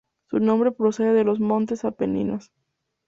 Su nombre procede de los Montes Apeninos.